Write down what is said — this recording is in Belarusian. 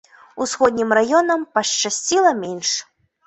Усходнім раёнам пашчасціла менш.